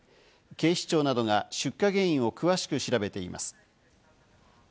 警視庁などが出火原因を詳しく調べています。